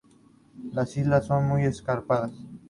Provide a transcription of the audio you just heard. Las islas son muy escarpadas.